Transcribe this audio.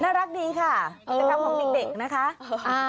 น่ารักดีค่ะจะทำของเด็กนะคะ